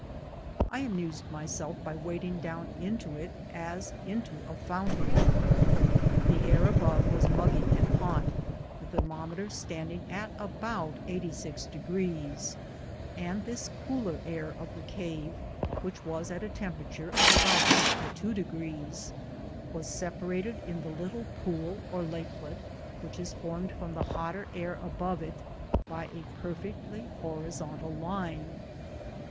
I amused myself by wading down into it as into a fountain. The air above was muggy and hot, the thermometer standing at about eighty six degrees, and this cooler air of the cave, which was at a temperature of about fifty two degrees, was separated in the little pool or lakelet which is formed from the hotter air above it by a per fectly horizontal line.